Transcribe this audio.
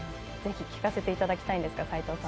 ぜひ、聞かせていただきたいんですが。